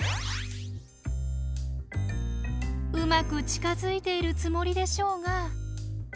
うまく近づいているつもりでしょうが。